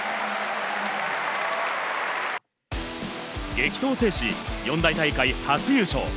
激闘を制し、四大大会初優勝。